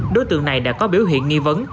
đối tượng này đã có biểu hiện nghi vấn